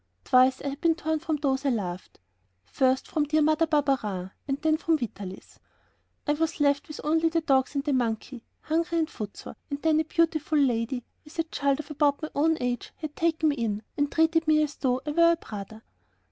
Twice I had been torn from those I loved, ... first from dear Mother Barberin, and then from Vitalis. I was left with only the dogs and the monkey, hungry and footsore, and then a beautiful lady, with a child of about my own age, had taken me in and treated me as though I were a brother.